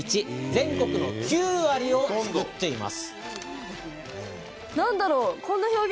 全国の９割を作っています。